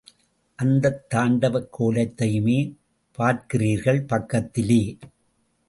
அந்தத் தாண்டவக் கோலத்தையுமே பார்க்கிறீர்கள் பக்கத்திலே.